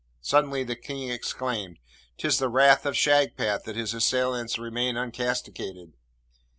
Suddenly the King exclaimed, ''Tis the wrath of Shagpat that his assailants remain uncastigated!'